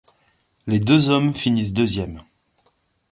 Les deux hommes finissent deuxièmes.